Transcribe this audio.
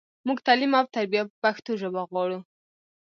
مونږ تعلیم او تربیه په پښتو ژبه غواړو